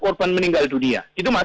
itu korban meninggal dunia